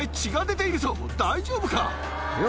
大丈夫か？